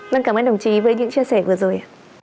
vâng cảm ơn đồng chí với những chia sẻ vừa rồi